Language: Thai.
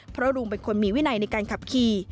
เพราะลุงเป็นคนมีวินัยในการขับขี่